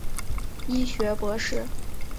医学博士。